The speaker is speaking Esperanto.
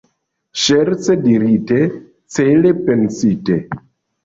Ŝerce dirite, cele pensite.